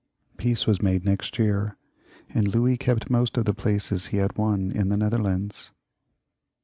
Peace was made next year, and Louis kept most of the places he had won in the Netherlands.